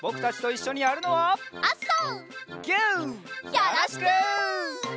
よろしく！